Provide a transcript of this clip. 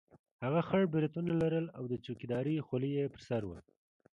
هغه خړ برېتونه لرل او د چوکیدارۍ خولۍ یې پر سر وه.